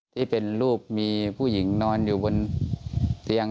ที่เป็นรูปมีผู้หญิงนอนอยู่บนเตียง